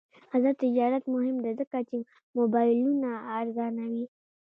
آزاد تجارت مهم دی ځکه چې موبایلونه ارزانوي.